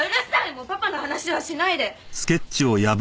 もうパパの話はしないで。